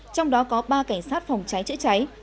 trong đó có ba cảnh sát phòng cháy chữa cháy